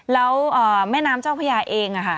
แล้วแม่น้ำเจ้าพญาเอง